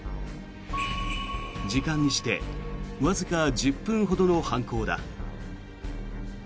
時間にしてわずか１０分ほどの犯行だ。